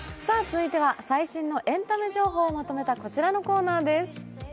続いては最新のエンタメ情報をまとめたこちらのコーナーです。